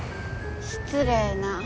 失礼な。